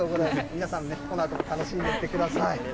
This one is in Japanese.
皆さんね、このあとも楽しんでいってください。